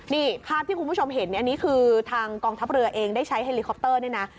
นี่ภาพที่คุณผู้ชมเห็นอันนี้คือทางกองทัพเรือเองได้ใช้เฮลิคอปเตอร์เนี่ยนะ